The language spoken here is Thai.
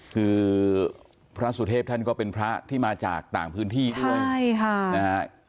คือพระสุเทพท่านก็เป็นพระที่มาจากต่างพื้นที่ด้วยใช่ค่ะนะฮะ